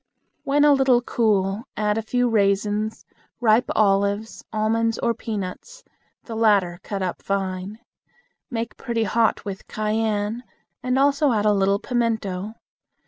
When a little cool, add a few raisins, ripe olives, almonds, or peanuts, the latter cut up fine. Make pretty hot with cayenne, and also add a little pimento.